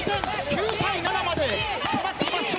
９対７まで迫っています笑